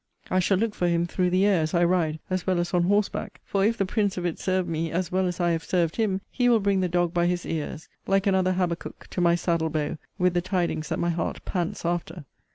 I shall look for him through the air as I ride, as well as on horseback; for if the prince of it serve me, as well as I have served him, he will bring the dog by his ears, like another Habakkuk, to my saddle bow, with the tidings that my heart pants after.